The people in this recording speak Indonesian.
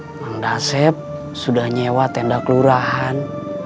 bang dasep sudah nyewa tenda kelurahan